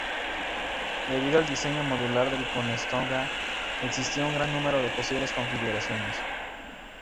Debido al diseño modular del Conestoga existía un gran número de posibles configuraciones.